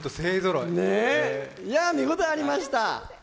いや、見応えありました。